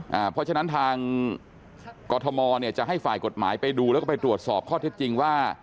เพราะฉะนั้นทางกรทมเนี่ยจะให้ฝ่ายกฎหมายไปดูแล้วก็ไปตรวจสอบข้อเท็จจริงว่า